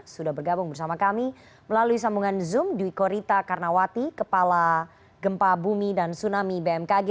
sudah bergabung bersama kami melalui sambungan zoom dwi korita karnawati kepala gempa bumi dan tsunami bmkg